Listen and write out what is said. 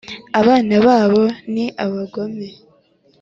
abana babo ni abagome,